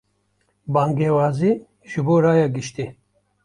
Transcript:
Bangewazî ji bo raya giştî